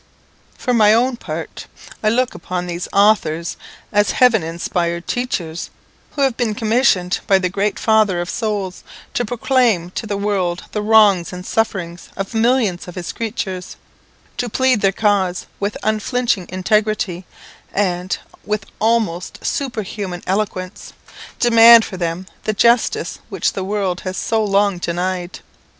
For my own part, I look upon these authors as heaven inspired teachers, who have been commissioned by the great Father of souls to proclaim to the world the wrongs and sufferings of millions of his creatures; to plead their cause with unflinching integrity, and, with almost superhuman eloquence, demand for them the justice which the world has so long denied.